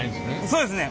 そうですね